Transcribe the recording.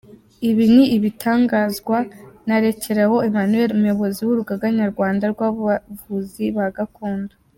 Ibi ni ibitangazwa na Rekeraho Emmanuel, umuyobozi w’urugaga nyarwanda rw’abavuzi ba gakondo.